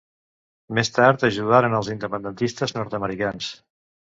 Més tard ajudaren als independentistes nord-americans.